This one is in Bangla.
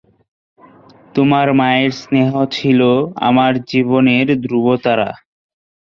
তোমার মায়ের স্নেহ ছিল আমার জীবনের ধ্রুবতারা।